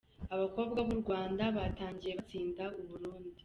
Abakobwa b’u Rwanda batangiye batsinda u Burundi.